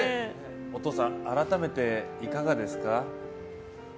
お父さん改めていかがですか？